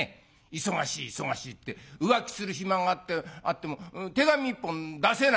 忙しい忙しいって浮気する暇があっても手紙一本出せないの」。